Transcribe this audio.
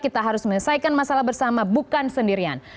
kita harus menyelesaikan masalah bersama bukan sendirian